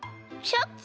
チョキ。